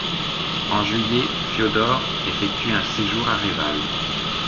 En juillet, Fiodor, effectue un séjour à Reval.